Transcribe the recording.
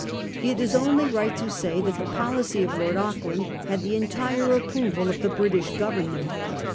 It is only right to say that the policy of Lord Auckland had the entire approval of the British Government.